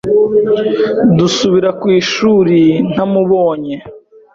Dusubira ku ishuri ntamubonye